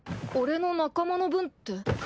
俺の仲間の分って。